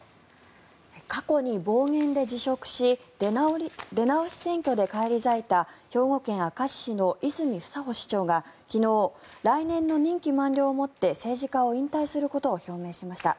過去に暴言で辞職し出直し選挙で返り咲いた兵庫県明石市の泉房穂市長が昨日来年の任期満了をもって政治家を引退することを表明しました。